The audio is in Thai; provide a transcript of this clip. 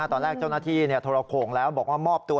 ตอนแรกเจ้าหน้าที่โทรโขงแล้วบอกว่ามอบตัว